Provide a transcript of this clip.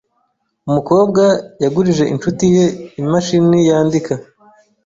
Umukobwa yagurije inshuti ye imashini yandika.